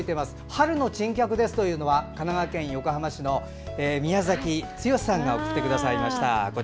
春の珍客ですというのはこれは神奈川県横浜市の宮崎強さんが送ってくださいました。